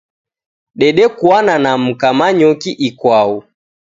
Dedekuana na mka Manyoki ikwau.